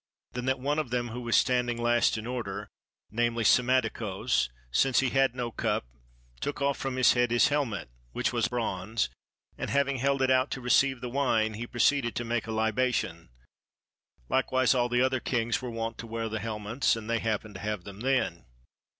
Then that one of them who was standing last in order, namely Psammetichos, since he had no cup took off from his head his helmet, which was of bronze, and having held it out to receive the wine he proceeded to make libation: likewise all the other kings were wont to wear helmets and they happened to have them then.